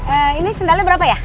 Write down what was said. eh ini kendalnya berapa ya